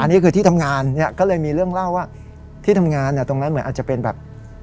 อันนี้คือที่ทำงานเนี่ยก็เลยมีเรื่องเล่าว่าที่ทำงานเนี่ยตรงนั้นเหมือนอาจจะเป็นแบบ